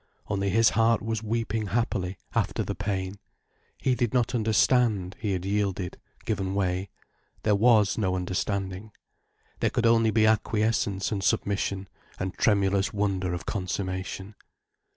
Only his heart was weeping happily, after the pain. He did not understand, he had yielded, given way. There was no understanding. There could be only acquiescence and submission, and tremulous wonder of consummation.